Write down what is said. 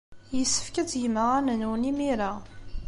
Yessefk ad tgem aɣanen-nwen imir-a.